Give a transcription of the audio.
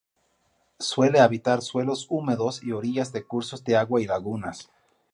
Suele habitar suelos húmedos y orillas de cursos de agua y lagunas.